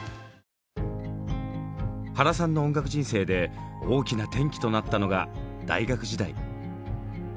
原さんの音楽人生で大きな転機となったのが大学時代。